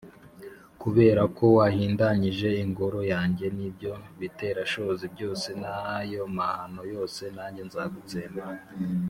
kubera ko wahindanyije Ingoro yanjye n’ibyo biterashozi byose n’ayo mahano yose, nanjye nzagutsemba